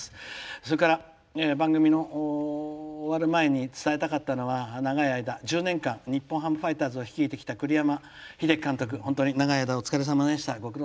それから、番組が終わる前に伝えたかったのは、長い間１０年間日本ハムファイターズを率いてきた栗山英樹監督、本当に長い間お疲れさまでした。